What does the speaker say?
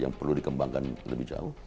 yang perlu dikembangkan lebih jauh